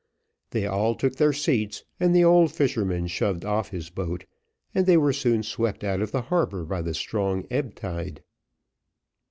They all took their seats, and the old fisherman shoved off his boat, and they were soon swept out of the harbour by the strong ebb tide.